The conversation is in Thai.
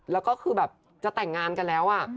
แล้วก็คือแบบจะแต่งงานกันแล้ว